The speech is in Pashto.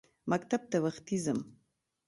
مکتب ته وختي ځم.